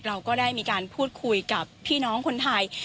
เราก็ได้มีการพูดคุยกับพี่น้องคนไทย